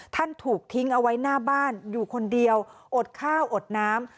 ถูกทิ้งเอาไว้หน้าบ้านอยู่คนเดียวอดข้าวอดน้ำ